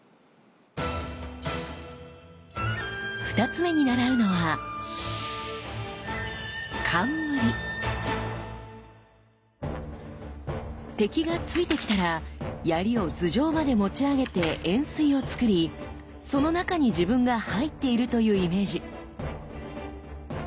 ２つ目に習うのは敵が突いてきたら槍を頭上まで持ち上げて円錐をつくりその中に自分が入っているというイメージ。